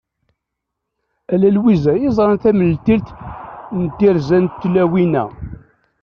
Ala Lwiza i yeẓran tamentilt n tirza n tlawin-a.